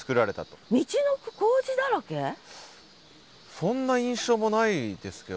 そんな印象もないですけど。